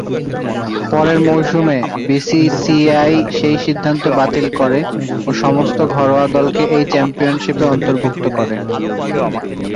পরের মৌসুমে, বিসিসিআই সেই সিদ্ধান্ত বাতিল করে ও সমস্ত ঘরোয়া দলকে এই চ্যাম্পিয়নশিপে অন্তর্ভুক্ত করে।